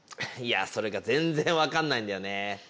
いやそれが全然わかんないんだよね。